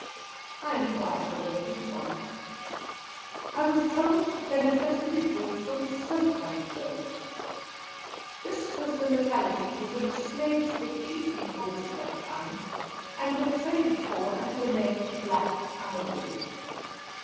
I enquired where they came from. I was told that they had just been brought from Zoutpansberg. This was the locality from which slaves were chiefly brought at that time, and were traded for under the name of 'Black Ivory.'